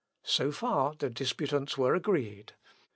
" So far the disputants were agreed.